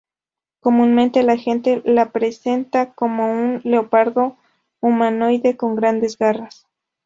Comúnmente la gente le presenta como un leopardo humanoide con grandes garras.